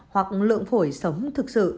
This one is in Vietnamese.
hoặc lượng phổi sống thực sự